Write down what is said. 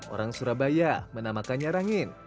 orang surabaya menamakannya rangin